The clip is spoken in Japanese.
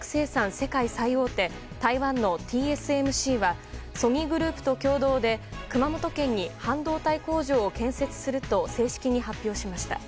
世界最大手台湾のＴＳＭＣはソニーグループと共同で熊本県に半導体工場を建設すると正式に発表しました。